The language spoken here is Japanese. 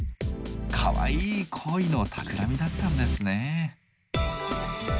かわいい「恋のたくらみ」だったんですね。